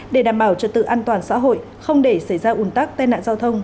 để đảm bảo trật tự an toàn xã hội không để xảy ra ủn tắc tai nạn giao thông